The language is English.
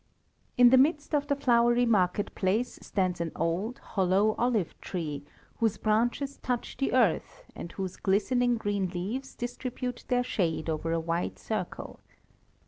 In the midst of the flowery market place stands an old, hollow, olive tree, whose branches touch the earth, and whose glistening green leaves distribute their shade over a wide circle.